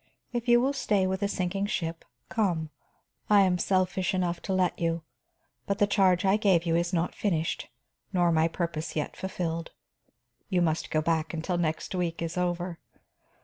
If you will stay with a sinking ship, come; I am selfish enough to let you. But the charge I gave you is not finished, nor my purpose yet fulfilled. You must go back until next week is over."